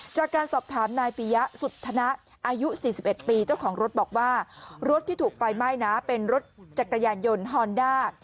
จากการสอบถามนายปียะสุธนะอายุ๔๑ปีเจ้าของรถบอกว่ารถที่ถูกไฟไหม้นะเป็นรถจักรยานยนต์ฮอนด้า